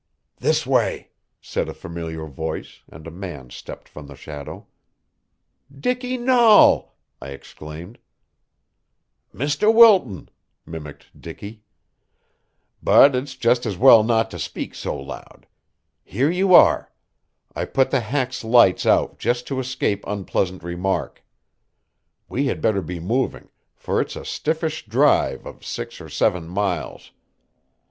"This way," said a familiar voice, and a man stepped from the shadow. "Dicky Nahl!" I exclaimed. "Mr. Wilton!" mimicked Dicky. "But it's just as well not to speak so loud. Here you are. I put the hack's lights out just to escape unpleasant remark. We had better be moving, for it's a stiffish drive of six or seven miles.